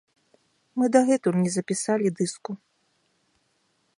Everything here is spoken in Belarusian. Мы дагэтуль не запісалі дыску.